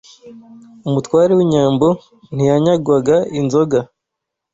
Umutware w’inyambo ntiyanyagwaga inzoga